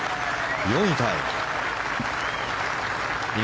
４位タイ。